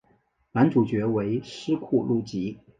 男主角为斯库路吉。